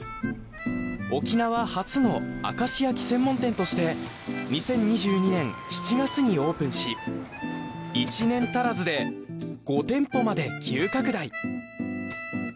沖縄初の明石焼き専門店として２０２２年７月にオープンし１年足らずで５店舗まで急拡大。